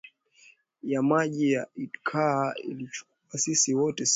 ya maji ya Itacara Ilichukua sisi wote wa siku